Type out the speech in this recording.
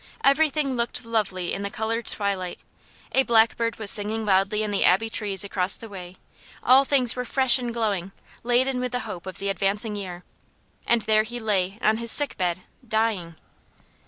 Everything looked lovely in the coloured twilight; a blackbird was singing loudly in the Abbey trees across the way; all things were fresh and glowing, laden with the hope of the advancing year. And there he lay on his sick bed, dying!